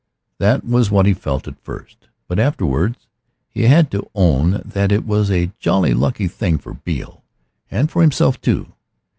That was what he felt at first. But afterwards he had to own that it was "a jolly lucky thing for Beale." And for himself too.